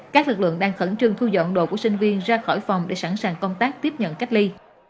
các lực lượng đang khẩn trương thu dọn đồ của sinh viên ra khỏi phòng để sẵn sàng công tác tiếp nhận cách ly